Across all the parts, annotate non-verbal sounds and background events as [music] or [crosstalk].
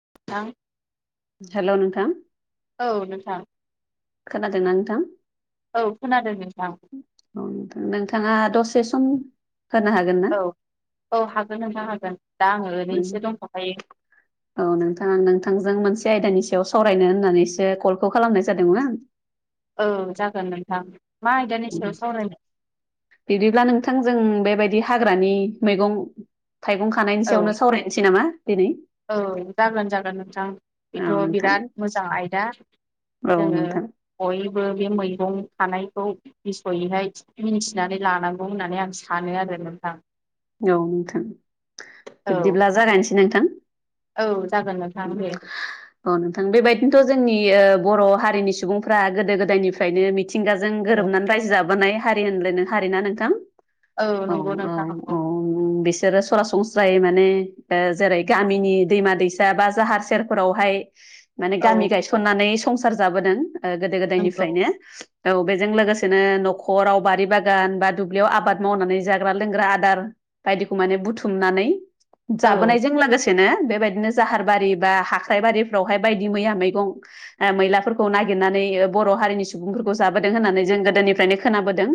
[unintelligible] हेल' नोंथां औ नोंथां खोनादोंना नोंथां? औ खोनादों नोंथां औ नोंथाङा दसे [unintelligible] ना औ औ हागोन होनोंथां हागोन दा आङो ओरैनोसो दंथ'खायो। औ नोंथां नोंथांजों मोनसे आयदानि सायाव सावरायनो होननानैसो कलखौ खालामनाय जादोंमोन। औ जागोन नोंथां। मा आयदानि सायाव सावरायनो? बिदिब्ला नोंथांजों बेबायदि हाग्रानि मैगं थाइगं खानायनि औ सायावनो सावरायनोसै नामा? दिनै औ जागोन जागोन नोंथां बेथ' औ नोंथां बिराद मोजां आयदा। औ जोंङो नोंथां बयबो बे मैगं खानायखौ बिसयैहाय मिथिनानै लानांगौ होननानै आं सानो आरो नोंथां। औ नोंथां औ बिबदिब्ला जागायनोसै नोंथां औ जागोन नोंथां दे औ नोंथां बेबायदिनोथ' जोंनि ओ बर' हारिनि सुबुंफ्रा गोदो गोदायनिफ्रायनो मिथिंगाजों औ गोरोबनानै रायजो जाबोनाय। हारिहोनदो हारिना नोंथां औ नंगौ नोंथां नंगौ [unintelligible] बिसोर ब्रा संस्रा जाय माने ओ जेरै गामिनि दैमा दैसा बा जाहार सेरफोरावहाय माने औ गामि गायसननानै संसार जाबोदों गोदो नंगौ गोदायनिफ्रायनो । औ बेजों लोगोसेनो न'खराव बारि बागान बा दुब्लियाव आबाद मावनानै जाग्रा लोंग्रा आदार बायदिखौ माने बुथुमनानै औ जाबोनायजों लोगोसेनो बेबायदिनो जाहार बारि बा हाक्राइबारिफ्रावहाय बायदि मैया मैगं ओ मैलाफोरखौ नागिरनानै' बर हारिनि सुबुंफोरखौ जाबोदों होननानै जों गोदोनिफ्रायनो खोनाबोदों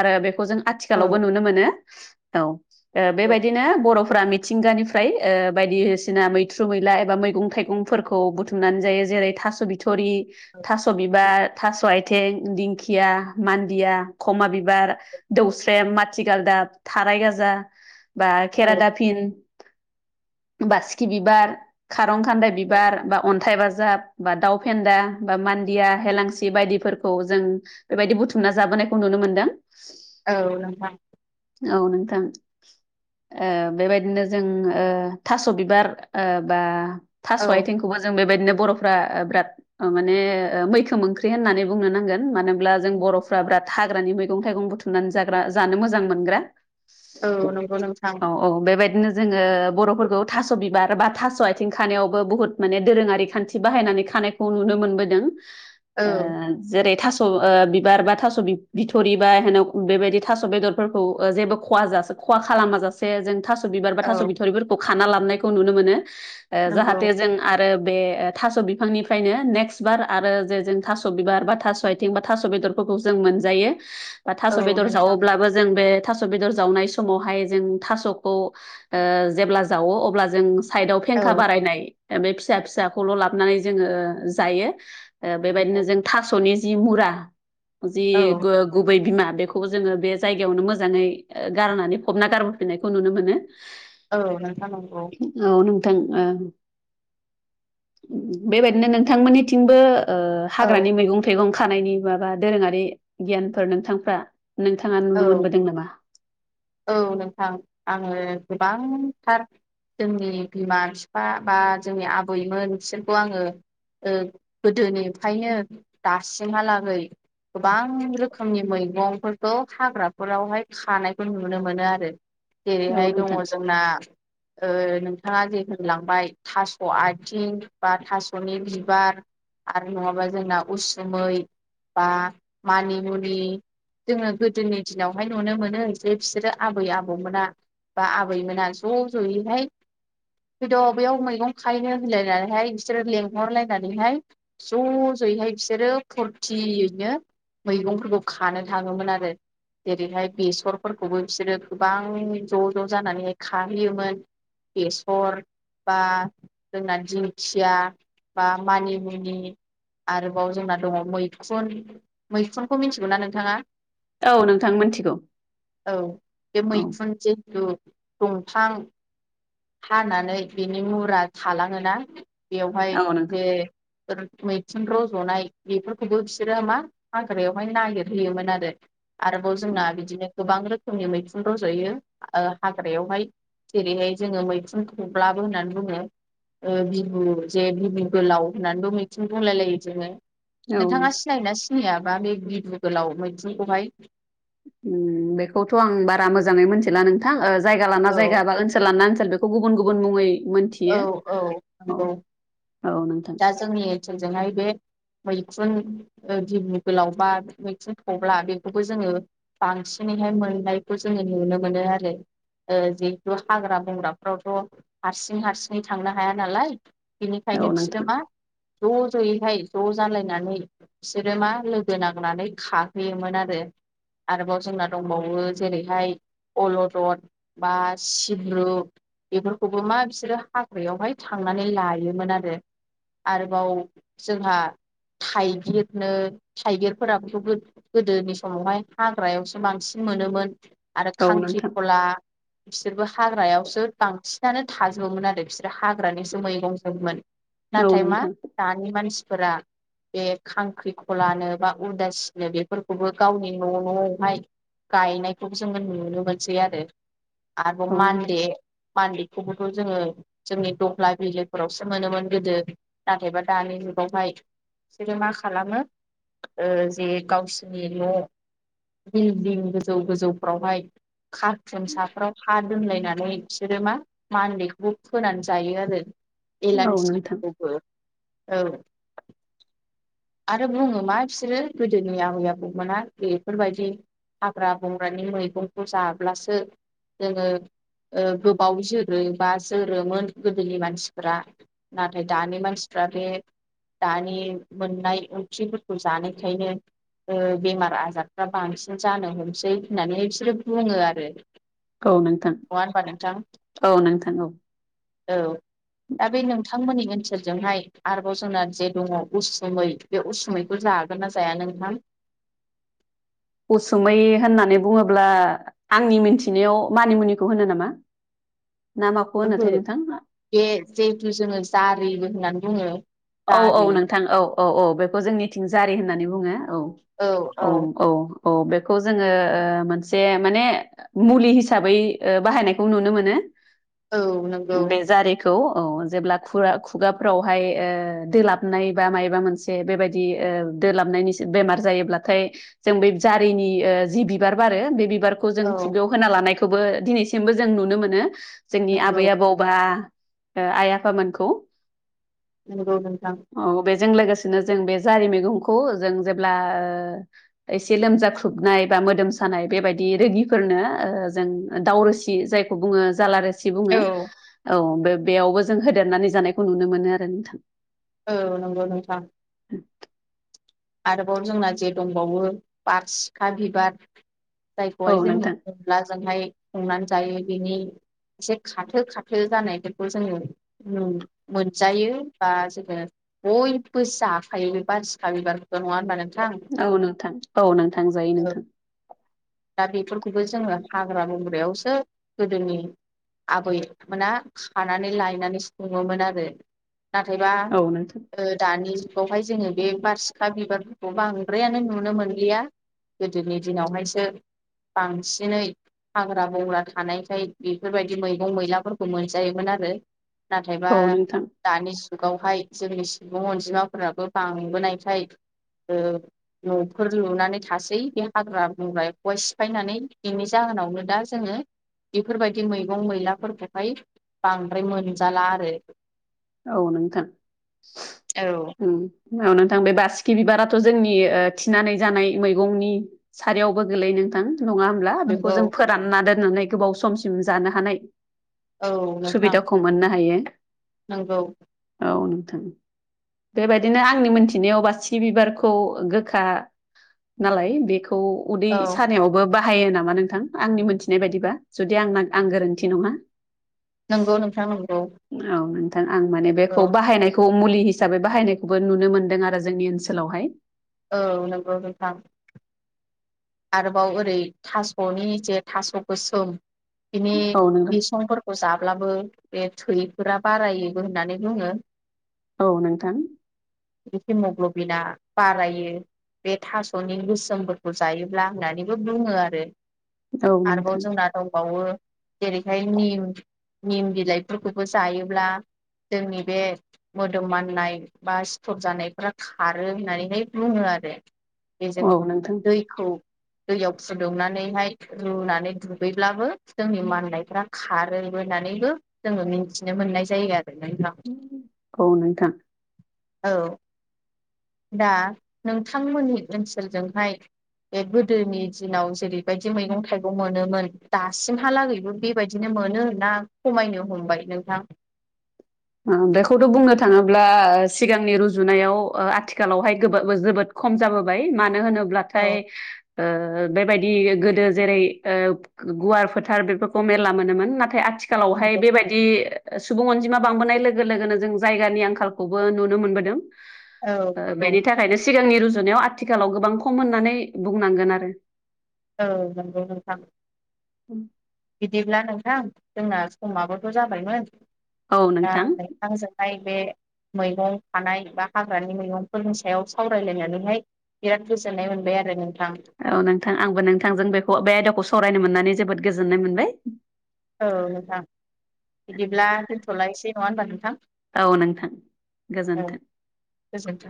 आरो बे खौ जों औ आथिखालावबो नुनोमोनो। औ ओ बेबादिनो बर फ्रा मिथिंगानिफ्राय ओ बायदिसिना मैगं मैद्रु मैला एबा मैगं थाइगंफोरखौ बुथुमनानै जायो जेरै थास' बिथ रि थास' बिबार थास'आइ थें दिंखिया मानदिया खमा बिबार दौस्रेम माथिगालदाब था [unintelligible] बा खेरा औ दाफिन बासिखि बि बार खारं खान्दाय बिबार बा अन्थाइ बाजाब बा दाउ फेन्दा बा मान्दिया सि बायदिफोरखौ जों बेबायदि बुथुमना जाबोनायखौ नुनो मोनदों। औ नोंथां। औ नोंथां ओ बेबायदिनो जों ओ थास' बिबार ओ बा थास' औ आथिंखौबो जों बेबायदिनो बर'फ्रा बिराद माने मैखोम ओंख्रि होननानै बुंनो नांगोन मानो जों बर'फ्रा बिराद हाग्रानि मैगं थाइगं बुथुमनानै जाग्रा जानो मोजां मोनग्रा औ नंगौ नोंथां। नो जोङो बर'फोरखौ थास' बिबार ओ बा थास' आथिं खानायावबो बुहुद माने दोरोङारि खान्थि बाहायनानै खानायखौ नुनो मोनबोदों। औ ओ जेरै थास' खौ ओ बिबार बा थास' बि-बिथ'रि बा हेनाव बेबायदि थास' बेदरफोरखौ ओ जेबो खहा जासो खहा खालामा जाासे जों थास ' बिबार बा औ थास' बिथ'रिफोरखौ खाना लाबनायखौ नुनो मोनो ओ नंगौ जाहाथे जों आरो बे थास' बिफांनिफ्रायनो नेक्स्ट बार आरो जे जों थास' बिबार बा थास' आथिं बा थास' बेदरखौ खौ जों मोनजायो बा औ थास' बेदर नोंथां जावोब्लाबो जों बे थास' बेदर जावनाय समावहाय जों थास'खौ ओ जेब्ला जावो अब्ला जों साइडआव औ फेंखा बारायनाय बे फिसा फिसाखौल' लाबनानै जोङो जायो। ओ नंगौ बेबायदिनो जों थास'नि जि मुरा जि औ गो-गुबै बिमा बेखौ जोङो बे जायगायावनो मोजाङै गारनानै फबना गारबोफिननायखौ नुनो मोनो। औ नोंथां नंगौ। औ नोंथां ओ बेबायदिनो नोंथांमोननिथिंबो ओ औ हाग्रानि मैगं थाइगं खानायनि माबा दोरोङारि गियानफोर नोंथांफ्रा नोंथाङा औ नुनो मोनबोदों नामा औ नोंथां। आङो गोबांथार जोंनि बिमा फिफा बा जोंनि आबैमोन बिसोरखौ आङो ओ गोदोनिफ्रायनो दासिमहालागै गोबां रोखोमनि मैगंफोरखौ हाग्राफोरावहाय खानायखौ नुनो मोनो आरो औ जेरैहाय दङ नोंथां जोंना ओ नों थाङा जे होनलांबाय थास' आथिं बा थास'नि बिबार आरो नङाबा जोंना उसुमै बा मानि मुनि जोङो गोदोनि दिनावहाय नुनो मोनो जे बिसोरो आबै आबौमोना बा आबैमोना ज' ज'यैहाय फैद' बेयाव मैगं खायनो होनलायनानैहाय बिसोरो लेंहरलायनानैहाय ज' ज जयैहाय बिसोरो फुरथियैनो मैगंफोरखौ खानो थाङोमोन आरो जेरैहाय बेसरफोरखौबो बिसोरो गोबां ज' ज' जानानैहाय खाहैयोमोन बेसर बा जोंना दिंखिया बा मानिमुनि आरोबाव जोंना दङ मैखुन मैखुनखौ मिथिगौना नोंथाङा? औ नोंथां मोनथिगौ औ बे औ मैखुन जेथु दंफां हानानै बिनि मुरा थलाङोना? बेयावहाय औ नोंथां जे मैथुन रज'नाय बेफोरखौबो बिसोरो मा हाग्रायावहाय नागिरहोयोमोन आरो आरोबाव औ जोंना बिदिनो गोबां रोखोमनि मैखुन रज'यो ओ हाग्रायावहाय जेरैहाय जोङो मैखुन थब्लाबो होननानै बुङो। ओ बिहु जे बिहु गोलाव होननानैबो मिथुन बुंलाय लायो जोङो औ नोंथाङा सिनायोना सिनाययाबा बे गिदु गोलाव मैथुनखौहाय? उम बेखौथ' आं बारा मोजाङै मिथिला नोंथां जायगा लाना औ जायगा बा ओनसोल लाना ओन सोल बेखौ गुबुन गुबुन मुङै औ मोनथियो औ औ नंगौ औ नोंथां दा जोंनि ओनसोलजोंहाय बे मैखुन ओ गिबु गोलाव बा, मैखुन थब्ला बेखौबो जोङो बांसिनै हाय मोननायखौ जोङो नुनो मोनो आरो। ओ जिहेथु हाग्रा बंग्राफ्रावथ' हारसि सिं हारसिङै थांनो हाया नालाय। बेनिखायनो औ बिसोरो नोंथां मा ज' ज'यैहाय ज' जालायनानै बिसोरो मा लोगो नांनानै खाहैयोमोन आरो। आरोबाव जोंना दंबावो। जेरै हाय अल'दद बा सिब्रु बेफोरखौबो मा बि बिसोरो हाग्रायावहाय थांनानै लायोमोन आरो। आरोबाव जोंहा थाइगिरनो थाइगिरफोराबोथ' गोद गोदोनि समावहाय हाग्रायावसो बांसिन मोनोमोन आरो औ खांख्रि नोंथां खला बिसोरबो हाग्रायावसो बांसिनानो थाज जोबोमोन आरो बिसोरो हाग्रानिसो मैगं जोबमोन औ नाथाय मा नोंथां दानि मानसिफोरा बे खांख्रि खलानो बा उदासिनो बेफोरखौबो गावनि न' न'आवहाय गायनायखौबो जोङो नुनो मोनसै आरो। आरोबाव औ नोंथां मान्दे मानदेखौबो खौ जोङो जोंनि दल्हा बिलोफोरावसो मोनोमोन गोदो। नाथायबा दानि जुगावहाय बिसोरो मा खालामो ओ जे गावसिनि‌ न' बिलदिं गोजौ गोजौफ्रावहाय कारटुन साफ्राव हा दोनलायनानै बिसोरो मा मानदेखौबो होनानै जायो आरो। औ नोंथां एलानसिखौबो औ। [inaudible] आरो बुङो मा बिसोरो गोदोनि आबै आबौमोना बेफोरबायदि हाग्रा बंग्रानि मैगंखौ जाब्लासो जोङो ओ गोबाव जोर रोबा जोरोमोन गोदोनि मानसिफ्रा नाथाय दानि मानसिफ्रा बे दानि मोननाय ओंख्रिफोरखौ जानायखायनो ओ बेमार आजारफ्रा बांसिन जानो हमसै होननानै बिसोरो बुङो आरो। औ नोंथां, नङा होनबा नोंथां औ नोंथां, औ। औ दा बे नोंथांमोननि ओन सोरजोंहाय आरोबाव जोंना जे दङ उसुमै बे उसुमैखौ जागोन ना जाया नोंथां? [inaudible] उसुमै होननानै बुङोब्ला आंनि मिथिनायाव मानिमुनिखौ होनो नामा? [inaudible] माखौ ओहो होनोथाय नोंथां बे जिहेथु जोङो जारिबो होननानै बुङो। औ औ जारि नोंथां औ औ औ बेखौ जोंनिथिं जारि होननानै बुङो। औ औ औ अ बेखौ जोङो ओ मोनसे माने मुलि हिसाबै ओ बाहायनायखौ नुनो मोनो औ नंगौ। बे जारिखौ औ जेब्ला खुरा खुगाफ्रावहाय ओ ओ दोलाबनाय बा मायबा मोनसे बेबायदि ओ दोलाबनायनि बेमार जायोब्लाथाय जों बे जारिनि ओ जि बिबार बारो बे बिबारखौ औ जों खुगायाव होना लानायखौबो दिनैसिमबो जों नुनो मोनो। जोंनि नंगौ आबै आबौबा ओ आय, आफामोनखौ। नंगौ नोंथां। जों लोगोसेनो जों बे जारि मैगं खौ जों जेब्ला ओ एसे लोमजा ख्रुबनाय बा मोदोम सानाय बेबायदि रोगिफोरनो ओ जों दावरोसि जायखौ बुङो जालारोस सि बुङो। औ औ बे बेयावबो जों होदेरनानै जानायखौ नुनो मोनो आरो नोंथां। औ नंगौ नोंथां। आरोबाव जोंना जे दंबावो बारसिखा बिबार जायखौहाय जों नोंथां अनलाजोंहाय संनानै जायो। बिनि एसे खाथो खाथो जानायफोरखौ जोङो मोनजायो। बा जोङो बयबो जाखायो बे बारसिखा बिबारखौथ' नङा होनबा नों औ नोंथां औ नोंथां जायो नोंथां। दा बेफोरखौबो जोङो हाग्रा बंग्रायावसो गोदोनि आबैमोना खानानै लायनानै सङोमोन आरो। नाथायबा औ नोंथां ओ दानि जुगावहाय जोङो बे बारसि सिखा बिबारफोरखौ बांद्रायानो नुनो मोनलिया गोदोनि दिनावहायसो बांसिनै हाग्रा बंग्रा थानायखाय बेफोरबायदि मैगं मैलाफोरखौ मोनजायोमोन आरो। नाथायबा औ नोंथां दानि जुगावहाय जोंनि सुबुं अनजिमाफोराबो बांबोनायखाय [inaudible] ओ न'फोर लुनानै थासै बे हाग्रा बंग्राखौहाय सिफायनानै बेनि जाहोनाव नो दा जोङो बेफोरबायदि मैगं मैलाफोरखौहाय बांद्राय मोनजाला आरो। औ नोंथां औ औ नोंथां बे बासि बि बिबाराथ' जोंनि ओ थिनानै जानाय मैगंनि सारियावबो गोलैयो नोंथां नङा होमब्ला बेखौ नंगौ जों फोरानना दोननानै गोबाव समसिम जानो हानाय औ नोंथां सुबिदाखौ मोननो हायो। नंगौ। औ नोंथां। बेबायदिनो आंनि मोनथिनायाव बासिखि बिबारखौ गोखा नालाय बेखौ उदै औ सानायावबो बा बाहायो नामा नोंथां आंनि मोनथिनाय बायदिबा जुदि आंना आं गोरोन्थि नङा? नंगौ नोंथां नंगौ। औ नोंथां आं माने बेखौ औ बाहायनायखौ मुलि हिसाबै बाहायनायखौबो नुनो मोनदों आरो जोंनि ओनसोलावहाय। औ नंगौ नोंथां। आरोबाव ओरै थास'नि जे थास' गोसोम बिनि औ नोंथां बिसंफोरखौ जाब्लाबो बे थैफोरा बारायोबो होननानै बुङो। औ नोंथां। हिमग्ल'बिना बारायो बे थास'नि गोसोमफोरखौ जायो होनब्ला होननानैबो बुङो आरो औ आरोबाव नोंथां जोंना दंबावो जेरैहाय निम निम बिलाइफोरखौबो जायोब्ला जोंनि बे मोदोम माननाय बा सिथर जानायफोरा खारो होननानैहाय बुङो आ आरो बेजों औ नोंथां दैखौ दैयाव फुदुंनानैहाय रुनानै दुगैब्लाबो जोंनि माननायफ्रा खारो होननानैबो जोङो मिथिनो मोननाय जायो आरो। नोंथां औ नोंथां। औ। दा नोंथांमोननि ओनसोलजोंहाय बे गोदोनि दिनाव जेरैबायदि मैगं थाइगं मोनोमोन दासिमहालागैबो बेबायदिनो मोनो ना खमायनो हमबाय नोंथां? [inaudible] ओ बेखौथ' बुंनो थाङोब्ला ओ सिगांनि रुजुनायाव आथिखालावहाय गोबो जोबोद खम जाबोबाय मानो औ होनोब्लाथाय ओ बेबायदि गोदो जेरै ओ गुवार फोथार बेफोरखौ मेरला मोनोमोन नाथाय आथिखालावहाय नंगौ। बेबायदि सुबुं अनजिमा बांबोनाय लोगो लोगोनो जों जायगानि आंखालखौबो नुनो मोनबोदों औ औ बेनि थाखायनो सिगांनि रुजुनायाव आथिखालाव गोबां खम होननानै बुंनांगोन आरो। औ नंगौ नोंथां। उम। बिदिब्ला नोंथां जोंना समाबोथ' जाबायमोन औ दा नोंथां आंजों बे मैगं थानाय बा हाग्रानि मैगंफोरनि सायाव सावरायलायनानैहाय बिराद गोजोननाय मोनबाय आरो औ नोंथां आंबो नोंथांजों बेखौ बे आयदाखौ सावरायनो मोननानै जोबोद गोजोननाय मोनबाय। औ नोंथां नंङा होनबा नोंथां। औ नोंथां औ गोजोन्थों। गोजोन्थों।